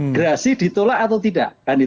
gerasi ditolak atau tidak